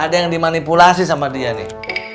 ada yang dimanipulasi sama dia nih